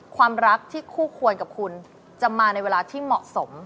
ความรักที่คู่ควรกับคุณจะมาในเวลาที่เหมาะสม